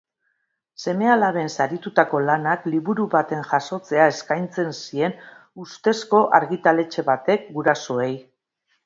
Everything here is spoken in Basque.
Seme-alaben saritutako lanak liburu baten jasotzea eskaintzen zien ustezko argitaletxe batek gurasoei.